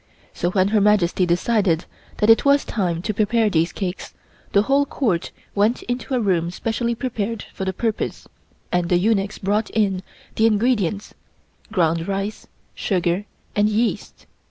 So when Her Majesty decided that it was time to prepare these cakes the whole Court went into a room specially prepared for the purpose and the eunuchs brought in the ingredients ground rice, sugar and yeast.